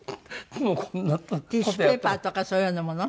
ティッシュペーパーとかそういうようなもの？